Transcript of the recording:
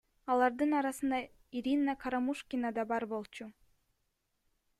Алардын арасында Ирина Карамушкина да бар болчу.